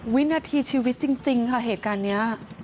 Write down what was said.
วินาทีชีวิตจริงค่ะเหตุการณ์นี้